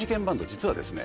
実はですね